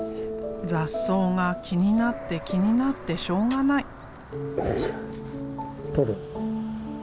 雑草が気になって気になってしょうがない。